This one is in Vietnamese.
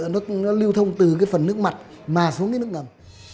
nó lưu thông từ cái phần nước mặt mà xuống cái nước ngầm